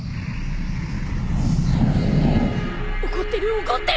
怒ってる怒ってる！